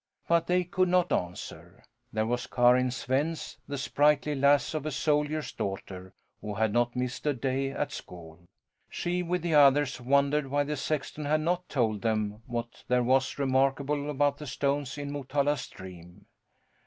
But they could not answer. There was Karin Svens, the sprightly lass of a soldier's daughter, who had not missed a day at school. She, with the others, wondered why the sexton had not told them what there was remarkable about the stones in Motala Stream.